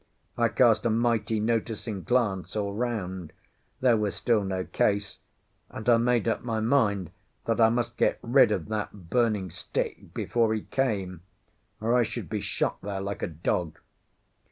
I cast a mighty noticing glance all round; there was still no Case, and I made up my mind I must get rid of that burning stick before he came, or I should be shot there like a dog.